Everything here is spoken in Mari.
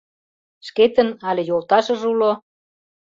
Шкетын але йолташыже уло?